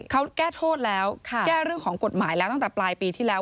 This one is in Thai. เขาแก้โทษแล้วแก้เรื่องของกฎหมายแล้วตั้งแต่ปลายปีที่แล้ว